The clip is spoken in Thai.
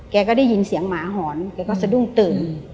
แกก็ได้ยินเสียงหมาหอนแกก็สะดุ้งตื่น